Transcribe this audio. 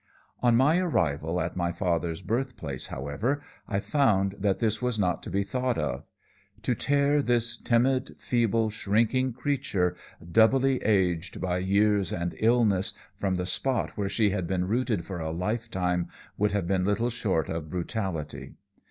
"On my arrival at my father's birthplace, however, I found that this was not to be thought of. To tear this timid, feeble, shrinking creature, doubly aged by years and illness, from the spot where she had been rooted for a lifetime, would have been little short of brutality.